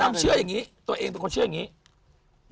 บุฏดำเชื่ออย่างนี้ตัวเองตัวเขาเชื่ออย่างนี้